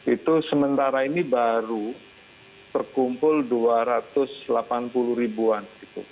itu sementara ini baru terkumpul dua ratus delapan puluh ribuan